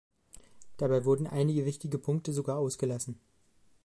Dabei wurden einige wichtige Punkte sogar ausgelassen.